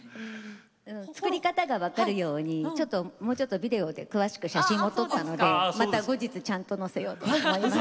作り方が分かるようにちょっともうちょっとビデオで詳しく写真も撮ったのでまた後日ちゃんと載せようと思います。